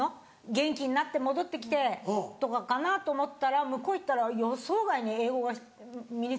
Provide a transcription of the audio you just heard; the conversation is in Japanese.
元気になって戻ってきてとかかなと思ったら向こう行ったら予想外に英語が身に付かなくて。